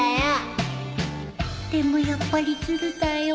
でもやっぱりずるだよ。